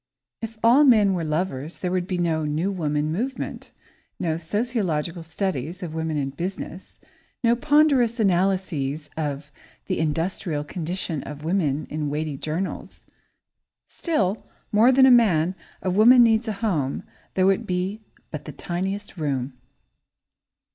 If all men were lovers, there would be no "new woman" movement, no sociological studies of "Woman in Business," no ponderous analyses of "The Industrial Condition of Women" in weighty journals. Still more than a man, a woman needs a home, though it be but the tiniest room.